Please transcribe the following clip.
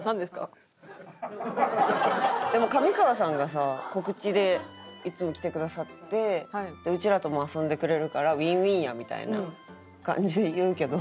でも上川さんがさ告知でいつも来てくださってうちらとも遊んでくれるからＷｉｎＷｉｎやんみたいな感じで言うけど。